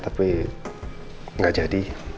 tapi nggak jadi